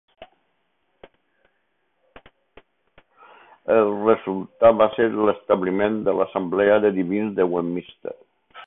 El resultat va ser l'establiment de l'Assemblea de Divins de Westminster.